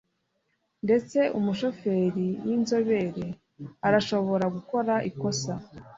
Ndetse umushoferi winzobere arashobora gukora ikosa.